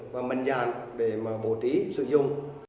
và mệnh dạng để mà bổ trí sử dụng